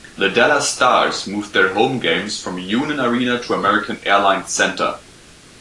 The Dallas Stars moved their home games from Reunion Arena to American Airlines Center.